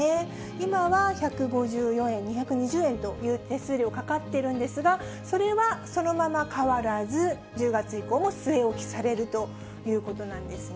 今は１５４円、２２０円という手数料かかっているんですが、それはそのまま変わらず、１０月以降も据え置きされるということなんですね。